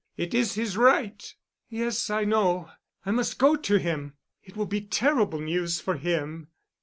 It is his right." "Yes, I know. I must go to him. It will be terrible news for him."